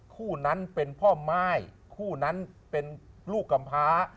คู่นั้นเป็นพ่อม่ายคู่นั้นเป็นลูกกำพา